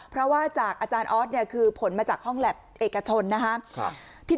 เพราะว่าจากอาจารย์ออสคือผลมาจากห้องแหลบเอกชนนะคะที่